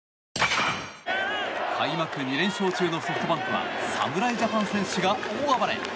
開幕２連勝中のソフトバンクは侍ジャパン戦士が大暴れ。